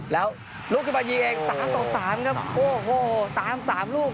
แล้วลุกขึ้นมายิงเองสามต่อสามครับโอ้โหตามสามลูก